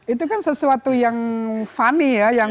itu kan sesuatu yang funny ya